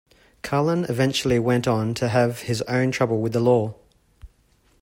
Carlin eventually went on to have his own trouble with the law.